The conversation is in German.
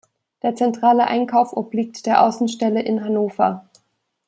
Der zentrale Einkauf obliegt der Außenstelle in Hannover.